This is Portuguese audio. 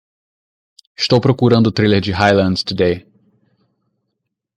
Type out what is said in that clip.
Estou procurando o trailer de Highlands Today